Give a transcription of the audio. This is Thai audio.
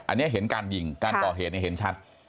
อันนี้เห็นการยิงการก่อเหตุเห็นชัด